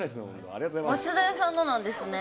増田屋さんのなんですね。